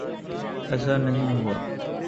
ایسا نہیں ہوا۔